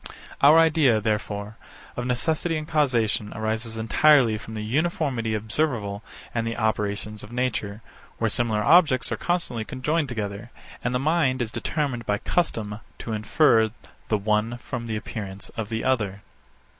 Our idea, therefore, of necessity and causation arises entirely from the uniformity observable in the operations of nature, where similar objects are constantly conjoined together, and the mind is determined by custom to infer the one from the appearance of the other.